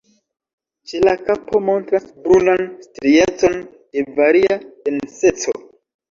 Ĉe la kapo montras brunan striecon de varia denseco.